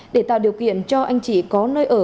để tạo điều kiện cho anh chị có nơi ở